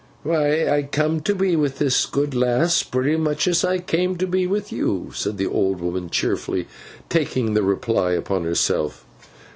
'Why, I come to be with this good lass pretty much as I came to be with you,' said the old woman, cheerfully, taking the reply upon herself.